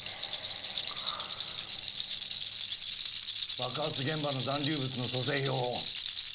爆発現場の残留物の組成表を。